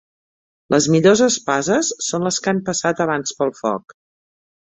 Les millors espasses són les que han passat abans pel foc.